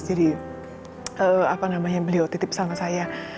jadi apa namanya beliau titip sama saya